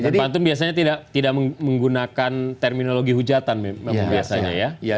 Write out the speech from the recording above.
jadi pantun biasanya tidak menggunakan terminologi hujatan memang biasanya ya